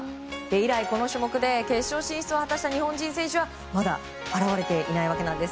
以来、この種目で決勝進出を果たした日本人選手はまだ現れていないわけなんです。